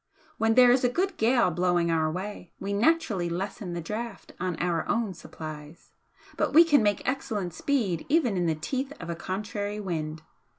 When there is a good gale blowing our way, we naturally lessen the draft on our own supplies but we can make excellent speed even in the teeth of a contrary wind.